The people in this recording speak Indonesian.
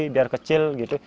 biar kecil gitu